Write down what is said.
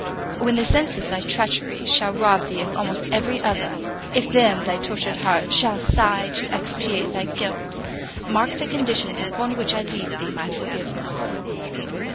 when the sense of thy treachery shall rob thee of almost every other, if then thy tortured heart shall sigh to expiate thy guilt, mark the conditions upon which I leave thee my forgiveness.